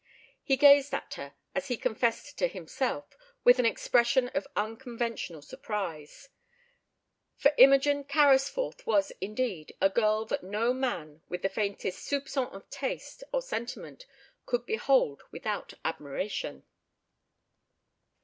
He gazed at her, as he confessed to himself, with an expression of unconventional surprise; for Imogen Carrisforth was, indeed, a girl that no man with the faintest soupçon of taste or sentiment could behold without admiration.